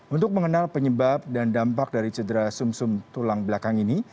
untuk mengenal penyebab dan dampak dari cedera sum sum tulang belakang ini